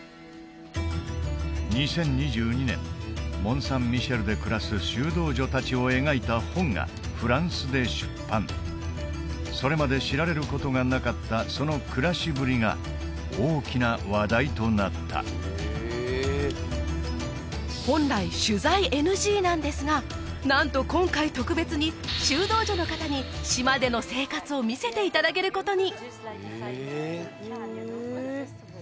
２０２２年モン・サン・ミシェルで暮らす修道女達を描いた本がフランスで出版それまで知られることがなかったその暮らしぶりが大きな話題となった本来取材ＮＧなんですがなんと今回特別に修道女の方に島での生活を見せていただけることに！